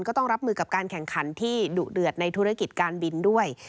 ก็ต้องรับมือกับการแข่งขันที่ดุเดือดในธุรกิจการบินด้วย